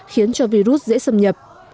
khiến cho virus dễ xâm nhập